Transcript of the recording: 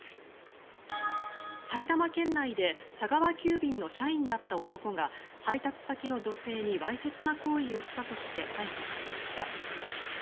埼玉県内で佐川急便の社員だった男が配達先の女性にわいせつな行為をしたとして逮捕されました。